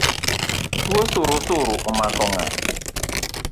Tuo surusuru omako ng’a?